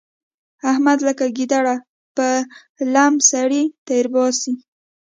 احمد لکه ګيدړه په لم سړی تېرباسي.